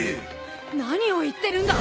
何を言ってるんだ？